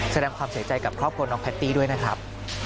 แสดงความเสียใจกับครอบครัวน้องแพตตี้ด้วยนะครับ